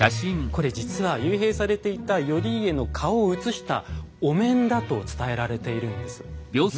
これ実は幽閉されていた頼家の顔をうつしたお面だと伝えられているんです。